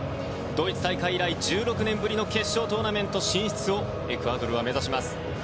ドイツ大会以来１６年ぶりの決勝トーナメント進出をエクアドルは目指します。